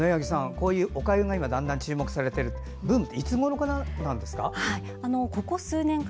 こういうおかゆが注目されてるブームっていつごろからなんですか。